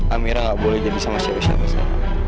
amira gak boleh jadi sama siapa siapa saya